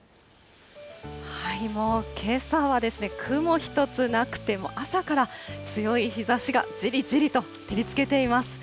もうけさは雲１つなくて、朝から強い日ざしがじりじりと照りつけています。